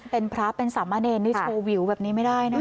เป็นพระเป็นสามะเนรนี่โชว์วิวแบบนี้ไม่ได้นะคะ